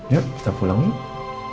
yuk kita pulang yuk